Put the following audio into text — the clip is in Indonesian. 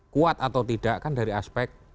kuat atau tidak kan dari aspek